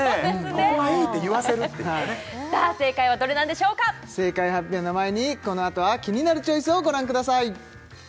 ここはいいって言わせるっていうさあ正解はどれなんでしょうか正解発表の前にこのあとは「キニナルチョイス」をご覧ください